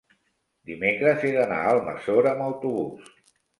Dimecres he d'anar a Almassora amb autobús.